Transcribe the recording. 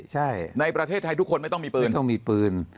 ใช่ในประเทศไทยทุกคนไม่ต้องมีปืนต้องมีปืน